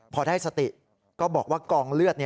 พอได้สติก็บอกว่ากองเลือด